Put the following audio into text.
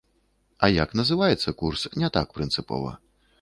А як называецца курс, не так прынцыпова.